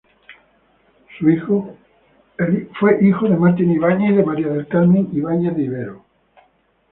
Fue hijo de Martín Ibáñez y de María del Carmen Ibáñez de Ibero.